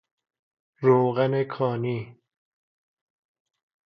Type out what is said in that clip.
روغن کانی